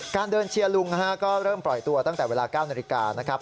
เดินเชียร์ลุงก็เริ่มปล่อยตัวตั้งแต่เวลา๙นาฬิกานะครับ